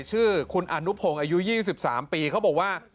ชื่อคุณอนุพงศ์อายุ๒๓ปีเขาบอกว่า